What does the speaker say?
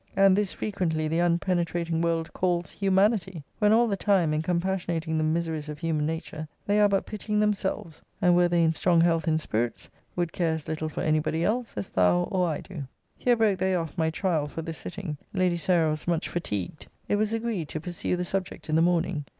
And this, frequently, the unpenetrating world, calls humanity; when all the time, in compassionating the miseries of human nature, they are but pitying themselves; and were they in strong health and spirits, would care as little for any body else as thou or I do. Here broke they off my trial for this sitting. Lady Sarah was much fatigued. It was agreed to pursue the subject in the morning.